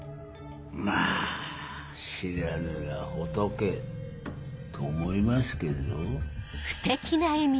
まぁ知らぬが仏と思いますけれど。